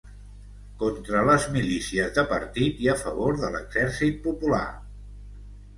Contra les milícies de partit i a favor de l'Exèrcit Popular.